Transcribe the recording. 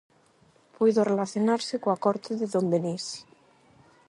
Puido relacionarse coa corte de Don Denís.